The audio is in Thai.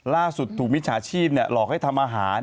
ล่าสุดถูกมิดขสิบหลอกให้ทำอาหาร